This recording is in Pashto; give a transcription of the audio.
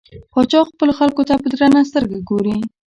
پاچا خپلو خلکو ته په درنه سترګه نه ګوري .